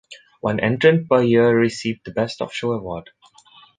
One entrant per year received the "Best of Show" award.